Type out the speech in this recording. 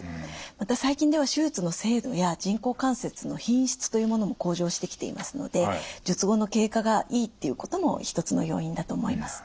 また最近では手術の精度や人工関節の品質というものも向上してきていますので術後の経過がいいっていうことも一つの要因だと思います。